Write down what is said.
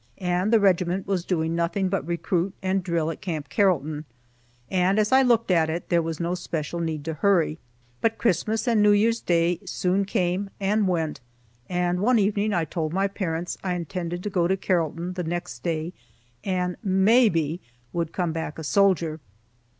And the regiment was doing nothing but recruit, and drill at Camp Carrollton, and, as I looked at it, there was no special need to hurry. But Christmas and New Year's Day soon came, and went, and one evening I told my parents I intended to go to Carrollton the next day, and "maybe" would come back a soldier.